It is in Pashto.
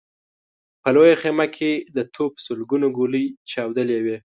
په لويه خيمه کې د توپ سلګونه ګولۍ چاودلې وې.